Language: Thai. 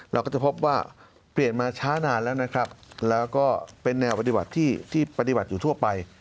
เราก็จะพบว่าเปลี่ยนมาช้านานแล้วนะครับแล้วก็เป็นแนวปฏิบัติที่ปฏิบัติอยู่ทั่วไป